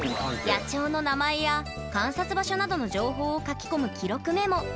野鳥の名前や観察場所などの情報を書き込む記録メモ。